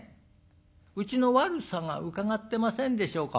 うちのわるさが伺ってませんでしょうか？」。